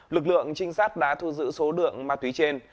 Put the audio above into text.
lực lượng trinh sát đã thu giữ số lượng ma túy trên